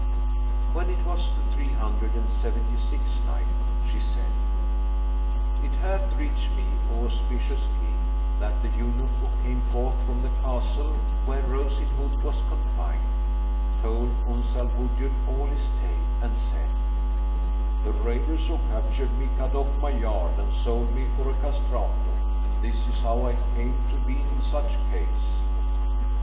When it was the Three Hundred and Seventy sixth Night, She said, It hath reached me, O auspicious King, that the eunuch who came forth from the castle, where Rose in Hood was confined, told Uns al Wujud all his tale and said:—"The raiders who captured me cut off my yard and sold me for a castrato; and this is how I came to be in such case."